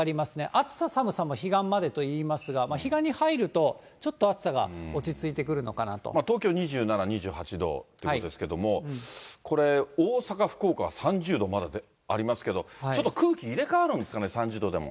暑さ寒さも彼岸までといいますが、彼岸に入るとちょっと暑さが落ち東京２７、２８度ということですけれども、これ、大阪、福岡は３０度まだありますけど、ちょっと空気入れ替わるんですかね、３０度でも。